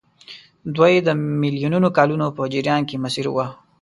دوی د میلیونونو کلونو په جریان کې مسیر وواهه.